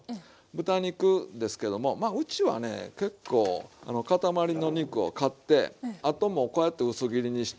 豚肉ですけどもまあうちはね結構塊の肉を買ってあともうこうやって薄切りにして。